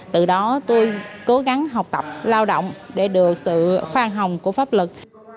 từ đó tôi cố gắng học tập lao động để được sự khoan hồng của pháp luật